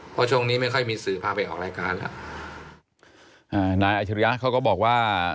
เพราะช่วงนี้ไม่ค่อยมีสื่อพาไปออกรายการแล้วอ่านายอัชริยะเขาก็บอกว่า